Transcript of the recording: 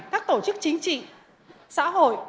các tổ chức chính trị xã hội